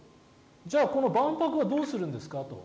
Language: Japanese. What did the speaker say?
じゃあ、この万博はどうするんですかと。